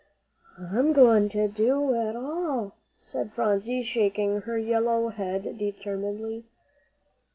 "I'm going to do it all," said Phronsie, shaking her yellow head determinedly.